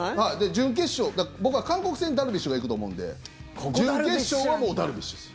準決勝、僕は韓国戦ダルビッシュが行くと思うんで準決勝はもうダルビッシュです。